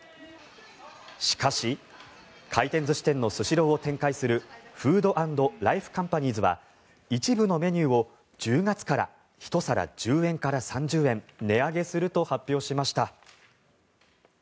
しかし、回転寿司店のスシローを展開するＦＯＯＤ＆ＬＩＦＥＣＯＭＰＡＮＩＥＳは一部のメニューを１０月から１皿１０円から３０円値上げすると発表しました。